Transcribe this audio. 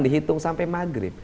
dihitung sampai maghrib